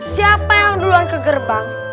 siapa yang duluan ke gerbang